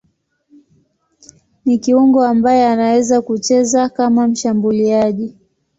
Ni kiungo ambaye anaweza kucheza kama mshambuliaji.